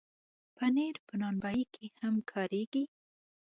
پنېر په نان بای کې هم کارېږي.